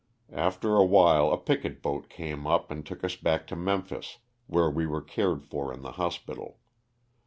After a while a picket boat came up and took us back to Memphis where we were cared for in the hospital.